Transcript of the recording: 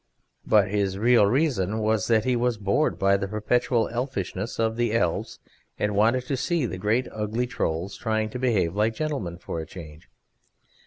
But his real reason was that he was bored by the perpetual elfishness of the Elves, and wanted to see the great ugly Trolls trying to behave like gentlemen for a change.